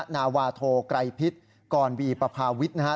นาวาโทไกรพิษกรวีปภาวิทย์นะฮะ